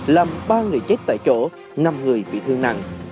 làm ba người chết tại chỗ năm người bị thương nặng